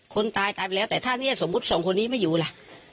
คนตายตายไปแล้วแต่ถ้าเนี่ยสมมุติสองคนนี้ไม่อยู่ล่ะ